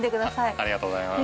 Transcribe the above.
ありがとうございます。